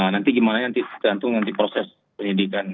nanti gimana nanti tergantung nanti proses penyelidikan